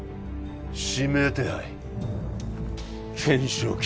指名手配懸賞金